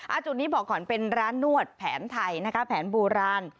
จุดนี้บอกก่อนเป็นร้านนวดแผนไทยนะคะแผนโบราณ